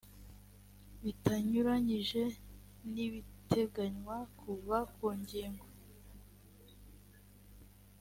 bitanyuranyije n ibiteganywa kuva ku ngingo